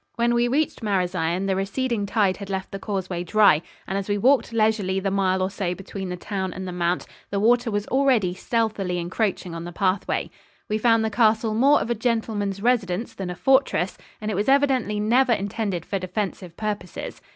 When we reached Marazion, the receding tide had left the causeway dry, and as we walked leisurely the mile or so between the town and the mount, the water was already stealthily encroaching on the pathway. We found the castle more of a gentleman's residence than a fortress, and it was evidently never intended for defensive purposes.